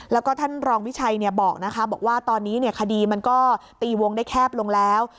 แล้วก็ท่านรองวิชัยบอกนะคะบอกว่าตอนนี้คดีมันก็ตีวงได้แคบลงแล้ว